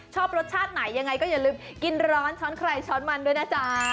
ชอบรสชาติไหนยังไงก็อย่าลืมกินร้อนช้อนใครช้อนมันด้วยนะจ๊ะ